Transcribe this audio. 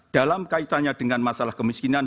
dalam kaitannya dengan masalah kemiskinan